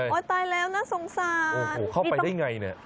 โอ้ยตายแล้วน่าสงสารโอ้โหเข้าไปได้อย่างไรเนี่ย